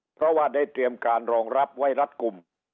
เพราะว่าได้เตรียมการรองรับไว้รัดกลุ่ม